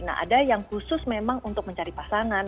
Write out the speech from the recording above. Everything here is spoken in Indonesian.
nah ada yang khusus memang untuk mencari pasangan